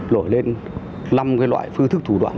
lỗi lên năm loại phư thức thủ đoạn